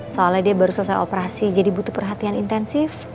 soalnya dia baru selesai operasi jadi butuh perhatian intensif